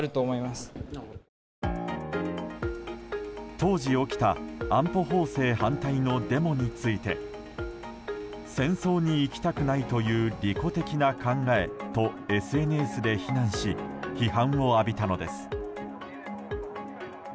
当時、起きた安保法制反対のデモについて戦争に行きたくないという利己的な考えとＳＮＳで非難し批判を浴びたのです。